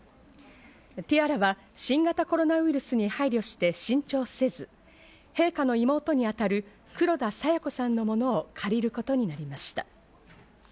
ティアラは新型コロナウイルスに配慮して新調せず陛下の妹にあたる黒田清子さんのものを借りることになりました。